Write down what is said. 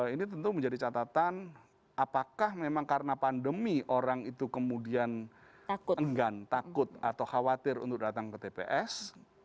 ini tentu menjadi catatan apakah memang karena pandemi orang itu kemudian enggan takut atau khawatir untuk datang ke tps